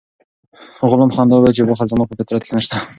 غلام په خندا وویل چې بخل زما په فطرت کې نشته.